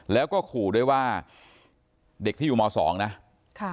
แล้วก็ขู่ด้วยว่าเด็กที่อยู่มสองนะค่ะ